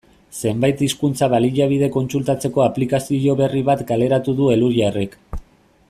Zenbait hizkuntza-baliabide kontsultatzeko aplikazio berri bat kaleratu du Elhuyarrek.